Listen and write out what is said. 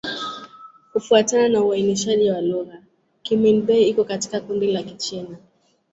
Kufuatana na uainishaji wa lugha, Kimin-Bei iko katika kundi la Kichina.